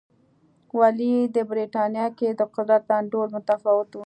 ولې د برېټانیا کې د قدرت انډول متفاوت و.